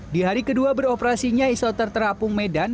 di hari kedua beroperasinya isoter terapung medan